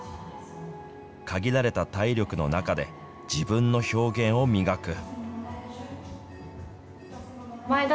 限られた体力の中で、自分の表現を磨く。